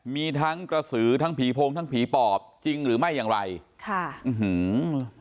มีทั้งกระสือทั้งผีโพงทั้งผีปอบจริงหรือไม่อย่างไรค่ะอื้อหือ